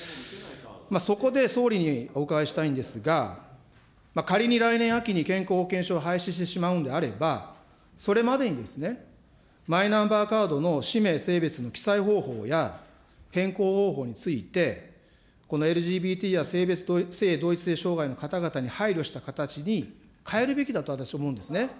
そこで総理にお伺いしたいんですが、仮に来年秋に健康保険証を廃止してしまうんであれば、それまでにマイナンバーカードの氏名、性別の記載方法や変更方法について、このＬＧＢＴや性同一性障害の方々に配慮した形に変えるべきだと、私思うんですね。